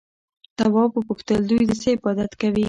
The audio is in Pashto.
تواب وپوښتل دوی د څه عبادت کوي؟